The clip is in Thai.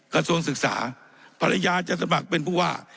กษศึกษาภรรยายจะสมัครเป็นผู้ว่า